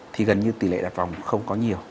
thì gần như tỷ lệ đặt vòng không có nhiều